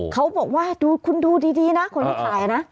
เขาบอกว่าคุณดูดีนะคุณผู้ชายนะ